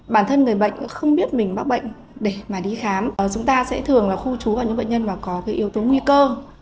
biết mình bác bệnh để đi khám chúng ta sẽ thường khu trú vào những bệnh nhân có yếu tố nguy cơ